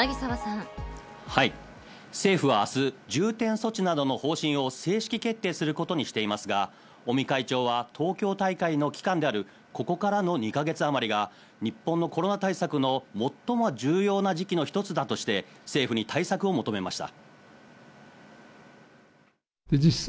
政府は明日、重点措置などの方針を正式決定することにしていますが、尾身会長は東京大会の期間である、ここからの２か月あまりが日本のコロナ対策の最も重要な時期の一つだとして政府に対策を求めました。